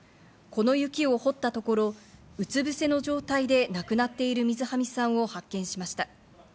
この雪を堀ったところうつぶせの状態で亡くなっている水喰さんを発見しました。